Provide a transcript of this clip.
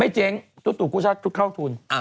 ไม่เจ๋งตุ๊ดตุ๊ดกู้ชาติเข้าทุน